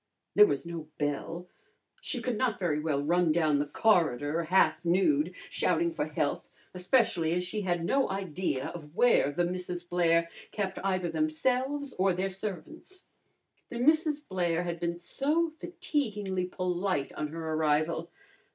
There was no bell. She could not very well run down the corridor, half nude, shouting for help, especially as she had no idea of where the Misses Blair kept either themselves or their servants. The Misses Blair had been so fatiguingly polite on her arrival.